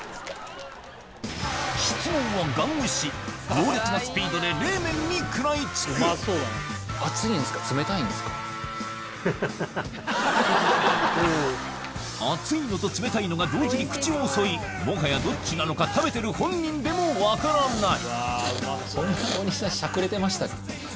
猛烈なスピードで冷麺に食らい付く熱いのと冷たいのが同時に口を襲いもはやどっちなのか食べてる本人でも分からない